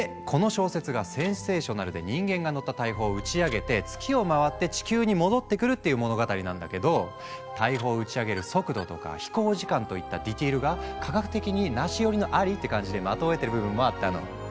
この小説がセンセーショナルで人間が乗った大砲を打ち上げて月を回って地球に戻ってくるっていう物語なんだけど大砲を打ち上げる速度とか飛行時間といったディテールが科学的にナシ寄りのアリって感じで的をえてる部分もあったの。